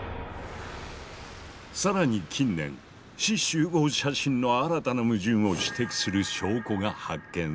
さらに近年志士集合写真の新たな矛盾を指摘する証拠が発見された。